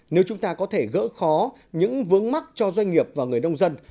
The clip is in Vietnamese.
nếu chúng ta có thể gỡ khó những vướng mắc cho doanh nghiệp và người nông dân